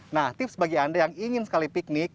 nah tips bagi anda yang ingin sekali piknik